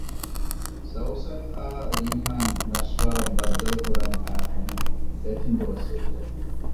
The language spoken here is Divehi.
ސައުސަން އާ ރީހާން ނަޝްވާ އަށް ބައްދަލުކުރަން އައި ފަހުން ދެތިން ދުވަސް ވެއްޖެ